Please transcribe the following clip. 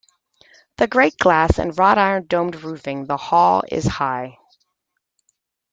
The great glass and wrought-iron dome roofing the Hall is high.